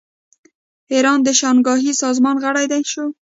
ایران د شانګهای سازمان غړی شو.